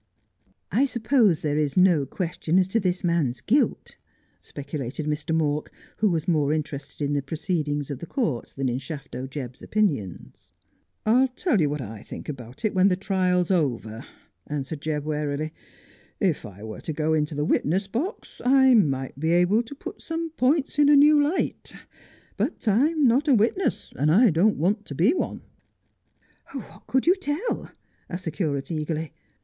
' I suppose there is no question as to this man's guilt ?' specu lated Mr. Mawk, who was more interested in the proceedings of the court than in Shafto Jebb's opinions. 'I'll tell you what I think about it when the trial's over,' In the Assize Court. 51 answered Jebb warily. ' If I were to go into the witness box I might be able to put some points in a new light ; but I'm not a witness, and I don't want to be one.' ' What could you tell 1 ' asked the curate eagerly.